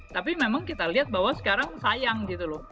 tapi memang kita lihat bahwa sekarang sayang gitu loh